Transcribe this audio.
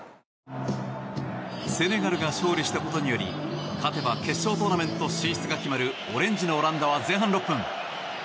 セネガルが勝利したことにより勝てば決勝トーナメント進出が決まるオレンジのオランダは前半６分。